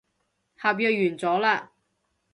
合約完咗喇